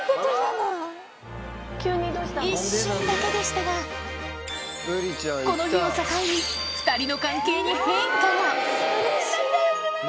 一瞬だけでしたが、この日を境に２人の関係に変化が。